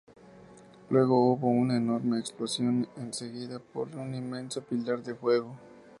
Luego hubo una enorme explosión, seguida por un inmenso pilar de fuego.